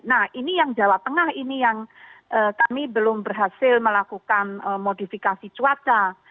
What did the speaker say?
nah ini yang jawa tengah ini yang kami belum berhasil melakukan modifikasi cuaca